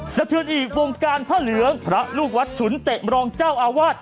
สะเทือนอีกวงการพระเหลืองพระลูกวัดฉุนเตะมรองเจ้าอาวาส